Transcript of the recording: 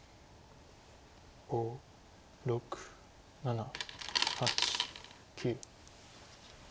５６７８９。